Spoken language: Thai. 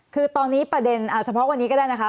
คือตอนนี้ประเด็นเฉพาะวันนี้ก็ได้นะคะ